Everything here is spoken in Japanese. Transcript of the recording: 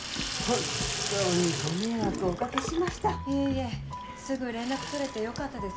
いえいえすぐ連絡取れてよかったです。